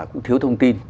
cũng thiếu thông tin